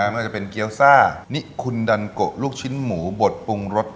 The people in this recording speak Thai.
ไม่ว่าจะเป็นเกี้ยวซ่านิคุณดันโกะลูกชิ้นหมูบดปรุงรส